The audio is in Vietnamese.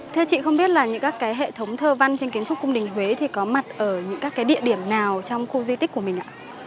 thưa chị không biết là những các cái hệ thống thơ văn trên kiến trúc cung đình huế thì có mặt ở những các cái địa điểm nào trong khu di tích của mình ạ